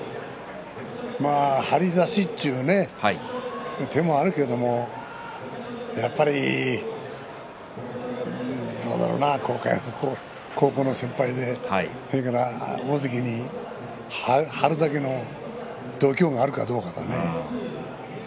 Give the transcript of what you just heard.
張り差しというね手もあるけどもやはりどうだろうな、高校の先輩で大関に張るだけの度胸があるか、どうかだね。